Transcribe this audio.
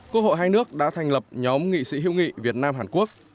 quốc hội hai nước đã thành lập nhóm nghị sĩ hữu nghị việt nam hàn quốc